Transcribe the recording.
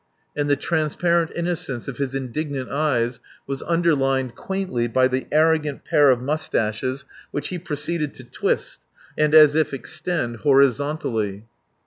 And the transparent innocence of his indignant eyes was underlined quaintly by the arrogant pair of moustaches which he proceeded to twist, and as if extend, horizontally.